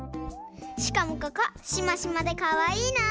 しかもここシマシマでかわいいなあ！